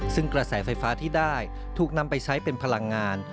ซึ่งกระแสไฟฟ้าที่ได้ถูกนำไปใช้เป็นพลังงาน